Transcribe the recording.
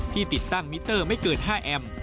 ติดตั้งมิเตอร์ไม่เกิน๕แอมป